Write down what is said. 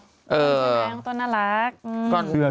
จริงต้นน่ารัก